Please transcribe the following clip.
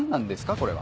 これは。